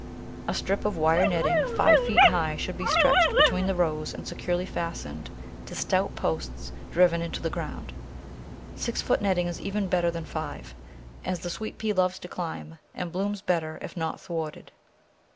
A strip of wire netting five feet high should be stretched between the rows and securely fastened to stout posts driven into the ground. Six foot netting is even better than five, as the Sweet pea loves to climb, and blooms better if not thwarted.